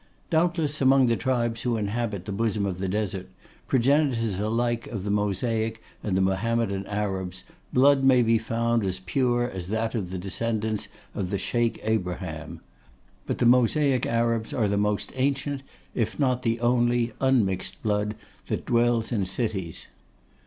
Doubtless, among the tribes who inhabit the bosom of the Desert, progenitors alike of the Mosaic and the Mohammedan Arabs, blood may be found as pure as that of the descendants of the Scheik Abraham. But the Mosaic Arabs are the most ancient, if not the only, unmixed blood that dwells in cities.